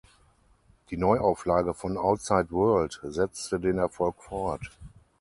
Die Neuauflage von "Outside World" setzte den Erfolg fort.